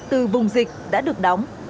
từ vùng dịch đã được đóng